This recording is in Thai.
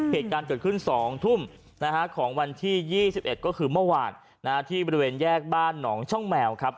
เหตุการณ์เกิดขึ้น๒ทุ่มของวันที่๒๑ก็คือเมื่อวานที่บริเวณแยกบ้านหนองช่องแมวครับ